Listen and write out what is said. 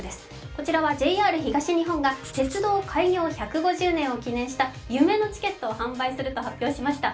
こちらはＪＲ東日本が鉄道開業１５０年を記念した夢のチケットを販売すると発表しました。